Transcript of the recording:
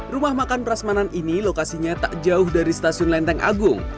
rumah makan prasmanan ini lokasinya tak jauh dari stasiun lenteng agung